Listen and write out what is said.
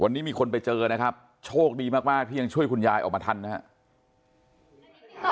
วันนี้มีคนไปเจอนะครับโชคดีมากที่ยังช่วยคุณยายออกมาทันนะครับ